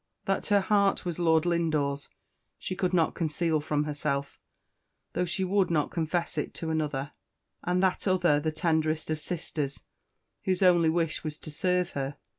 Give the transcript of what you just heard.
That her heart was Lord Lindore's she could not conceal from herself, though she would not confess it to another and that other the tenderest of sisters, whose only wish was to serve her.